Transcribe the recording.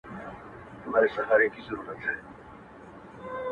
څومره چي يې مينه كړه.